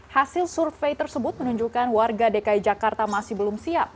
hasil survei tersebut menunjukkan warga dki jakarta masih belum siap